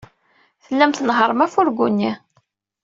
Tellam tnehhṛem afurgu-nni.